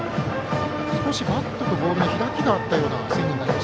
少しバットとボールに開きがあったようなスイング。